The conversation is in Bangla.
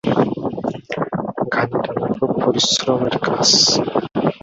ঘানি টানা খুব পরিশ্রমের কাজ।